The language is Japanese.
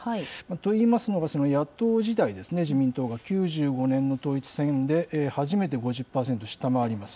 といいますのが、野党時代ですね、自民党が９５年の統一選で初めて５０％を下回ります。